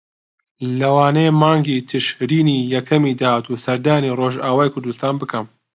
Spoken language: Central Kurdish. لەوانەیە مانگی تشرینی یەکەمی داهاتوو سەردانی ڕۆژاوای کوردستان بکەم.